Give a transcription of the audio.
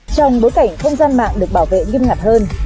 trong bối cảnh không gian mạng được bảo vệ nghiêm ngặt hơn